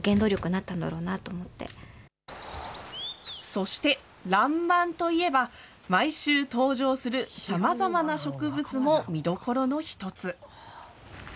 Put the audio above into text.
そして、らんまんといえば、毎週登場するさまざまな植物も見どころの一つ。